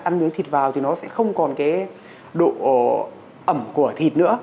ăn miếng thịt vào thì nó sẽ không còn cái độ ẩm của thịt nữa